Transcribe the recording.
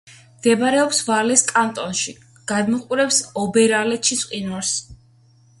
მდებარეობს ვალეს კანტონში; გადმოჰყურებს ობერალეჩის მყინვარს.